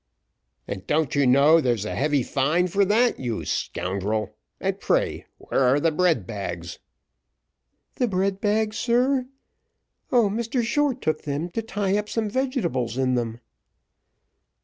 "And don't you know there is heavy fine for that, you scoundrel? And pray where are the bread bags?" "The bread bags, sir? Oh, Mr Short took them to tie up some vegetables in them."